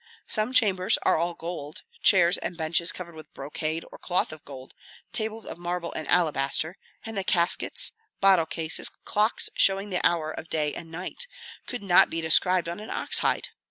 Some chambers are all gold; chairs and benches covered with brocade or cloth of gold, tables of marble and alabaster, and the caskets, bottle cases, clocks showing the hour of day and night, could not be described on an ox hide.